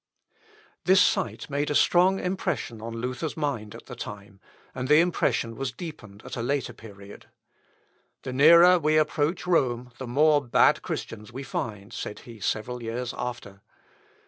p. 2377.) This sight made a strong impression on Luther's mind at the time, and the impression was deepened at a later period. "The nearer we approach Rome the more bad Christians we find," said he several years after.